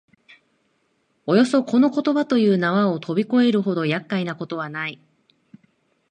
およそこの言葉という縄をとび越えるほど厄介なことはない